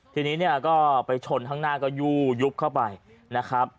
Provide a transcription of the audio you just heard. ทีนี้ก็ไปชนทั้งหน้าก็ยู่ยุบเข้าไปนะครับ